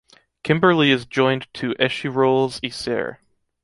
Kimberley is joined to Échirolles, Isère.